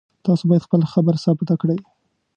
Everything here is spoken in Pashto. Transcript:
تاسو باید خپله خبره ثابته کړئ